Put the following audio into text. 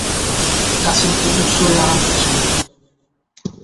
কাছে একটি উট শুয়ে আরাম করছিল।